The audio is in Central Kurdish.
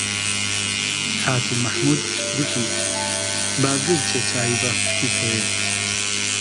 حاجی مەحموود گوتی: با زوو بچێ چاوی بە خوشکی بکەوێ